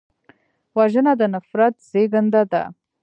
وژنه د نفرت زېږنده ده